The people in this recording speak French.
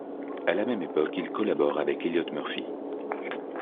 À la même époque, il collabore avec Elliott Murphy.